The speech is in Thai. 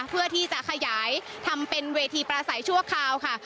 เพื่อที่จะขยายทำเป็นเวทีประสัยชั่วคราวค่ะ